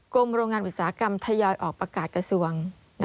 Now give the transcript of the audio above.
กรมโรงงานอุตสาหกรรมทยอยออกประกาศกระทรวง